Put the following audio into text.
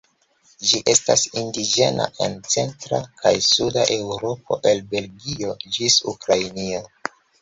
Ĝi estas indiĝena en centra kaj suda Eŭropo el Belgio ĝis Ukrainio.